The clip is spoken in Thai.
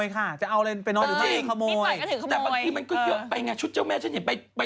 นี่เรื่องจริง